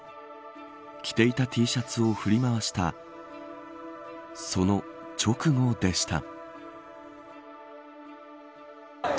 着ていたＴシャツを振り回したその直後でした。